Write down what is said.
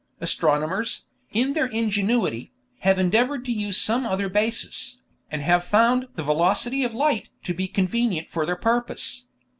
Astronomers, in their ingenuity, have endeavored to use some other basis, and have found "the velocity of light" to be convenient for their purpose.